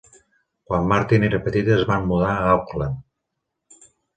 Quan Martin era petita es van mudar a Auckland.